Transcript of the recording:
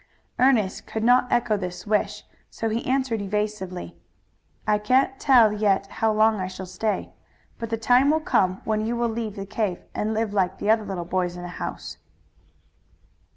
Ernest could not echo this wish, so he answered evasively: "I can't tell yet how long I shall stay. But the time will come when you will leave the cave and live like other little boys in a house."